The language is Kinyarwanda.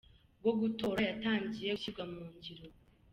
bwo gutora yatangiye gushyirwa mu ngiro.